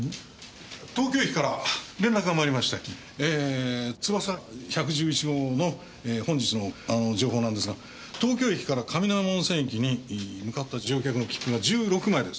東京駅から連絡が参りましてえーつばさ１１１号の本日の情報なんですが東京駅からかみのやま温泉駅に向かった乗客の切符が１６枚です。